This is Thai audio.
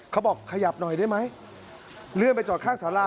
ขยับหน่อยได้ไหมเลื่อนไปจอดข้างสารา